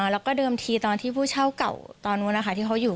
แล้วก็เดิมทีตอนที่ผู้เช่าเก่าตอนนู้นนะคะที่เขาอยู่